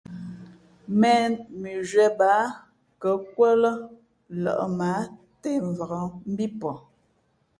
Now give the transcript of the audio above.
̀mēn mʉnzhwē bāā nkα̌kūα lά lᾱʼ mα ǎ těmvak mbí pαh.